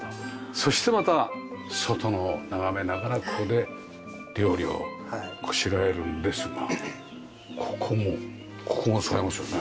そしてまた外を眺めながらここで料理をこしらえるんですがここもここも使えますよね。